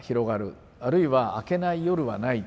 あるいは明けない夜はない。